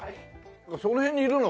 その辺にいるの？